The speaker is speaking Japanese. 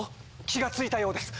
気が付いたようです。